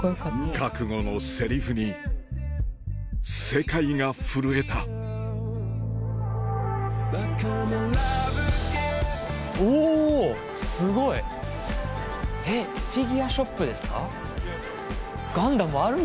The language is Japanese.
覚悟のセリフに世界が震えたおすごい！フィギュアショップです。